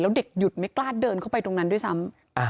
แล้วเด็กหยุดไม่กล้าเดินเข้าไปตรงนั้นด้วยซ้ำ